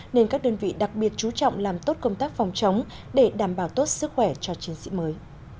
nên các đơn vị đặc biệt chú trọng làm tốt công tác phòng chống để đảm bảo tốt sức khỏe cho chiến sĩ mới